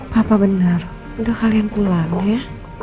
papa benar udah kalian pulang ya